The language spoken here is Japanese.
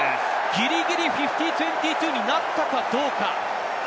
ギリギリ５０：２２になったかどうか。